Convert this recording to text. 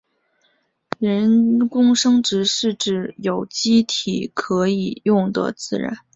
人工生殖是指用有机体可用的自然手段之外的方法创造新的生命体。